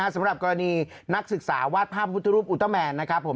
สำหรับกรณีนักศึกษาวาดภาพพุทธรูปอุตเตอร์แมนนะครับผม